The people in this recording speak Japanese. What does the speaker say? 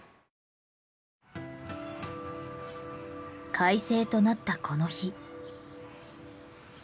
快晴となったこの日。